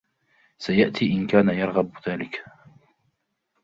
سيأتي إن كان يرغب ذلك.